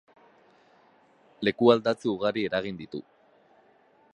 Lekualdatze ugari eragin ditu.